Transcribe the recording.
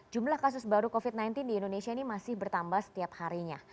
jumlah kasus baru covid sembilan belas di indonesia ini masih bertambah setiap harinya